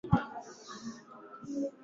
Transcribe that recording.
kanda la milima Maeneo makubwa ni uwanda hasa